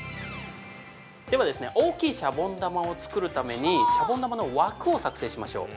では、大きいシャボン玉を作るためにシャボン玉の枠を作成しましょう。